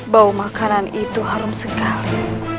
bau makanan itu harum sekali